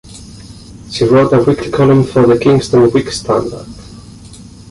She wrote a weekly column for the "Kingston Whig-Standard".